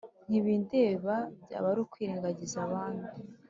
ntibindeba byaba ari ukwirengagiza abandi